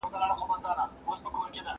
سمدستي د خپل کهاله پر لور روان سو